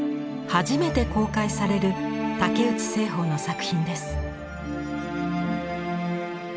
初めて公開される竹内栖鳳の作品です。